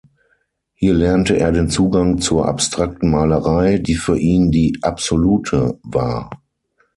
Hier lernte er den Zugang zur abstrakten Malerei, die für ihn die "absolute" war.